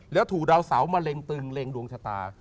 แล้วถูราวเสาร์มาเร็งตึงเหล่างลวงชะตา